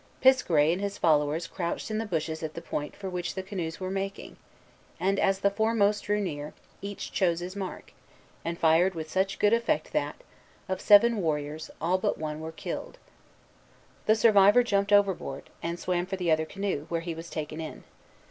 Piskaret and his followers crouched in the bushes at the point for which the canoes were making, and, as the foremost drew near, each chose his mark, and fired with such good effect, that, of seven warriors, all but one were killed. The survivor jumped overboard, and swam for the other canoe, where he was taken in.